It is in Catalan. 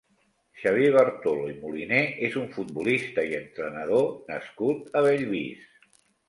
Xavier Bartolo i Moliné és un futbolista i entrenador nascut a Bellvís.